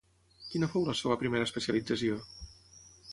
Quina fou la seva primera especialització?